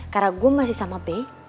karena gue masih sama b